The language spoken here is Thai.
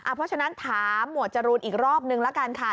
เพราะฉะนั้นถามหมวดจรูนอีกรอบนึงละกันค่ะ